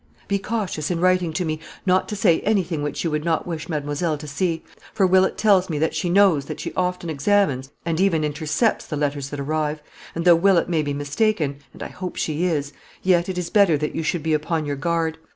"Be cautious, in writing to me, not to say anything which you would not wish mademoiselle to see; for Willett tells me that she knows that she often examines, and even intercepts the letters that arrive; and, though Willett may be mistaken, and I hope she is, yet it is better that you should be upon your guard.